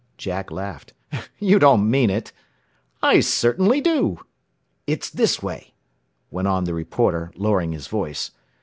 Jack laughed. "You don't mean it." "I certainly do. It's this way," went on the reporter, lowering his voice.